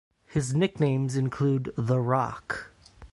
His nicknames include "The Rock".